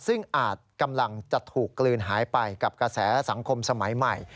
ซึ่งอาจกำลังจะถูกกลืนหายไปกับกระแสสังคมสมัยใหม่